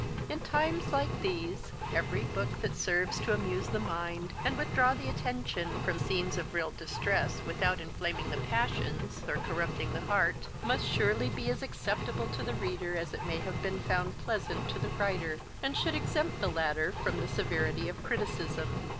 In times like these, every book that serves to amuse the mind, and withdraw the attention from scenes of real distress, without inflaming the passions, or corrupting the heart, must surely be as acceptable to the reader as it may have been found pleasant to the writer, and should exempt the latter from the severity of criticism.